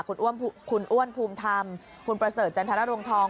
คุณอ้วนภูมิธรรมคุณประเสริฐจันทรรวงทอง